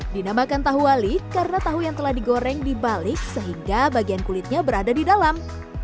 dinamakan tahu wali karena tahu yang telah digoreng dibalik sehingga bagian kulitnya berada di dalam